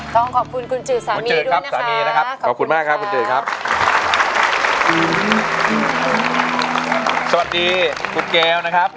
ต้องขอบคุณคุณจืนสามีด้วยนะครับ